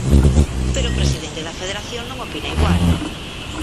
Pero o Presidente da Federación non opina igual.